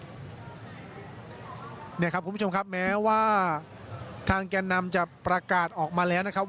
เนี่ยครับคุณผู้ชมครับแม้ว่าทางแก่นำจะประกาศออกมาแล้วนะครับ